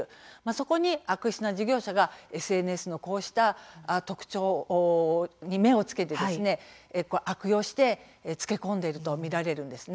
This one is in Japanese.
そこに悪質な事業者がＳＮＳのこうした特徴に目をつけて悪用してつけ込んでいると見られるんです。